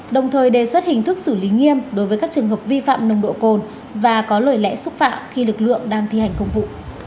đồng thời đề xuất hình thức xử lý nghiêm đối với các trường hợp vi phạm nồng độ cồn và có lời lẽ xúc phạm khi lực lượng đang thi hành công vụ